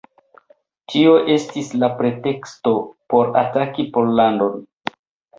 Tio estis la preteksto por ataki Pollandon.